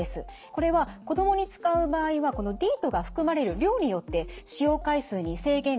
これは子どもに使う場合はディートが含まれる量によって使用回数に制限があります。